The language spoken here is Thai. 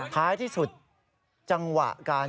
ท้ายที่สุดจังหวะการ